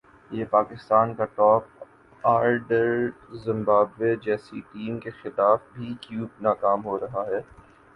کہ پاکستان کا top order Zimbabwe جیسی ٹیم کے خلاف بھی کیوں ناکام ہو رہا ہے